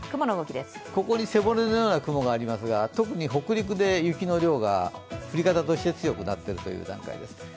ここに背骨のような雲がありますが、特に北陸で雪の量が降り方として強くなっているという段階です。